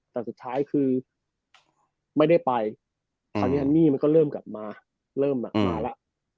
แต่สุดท้ายคือไม่ได้ไปคราวนี้มันก็เริ่มกลับมาเริ่มหนักมาแล้ว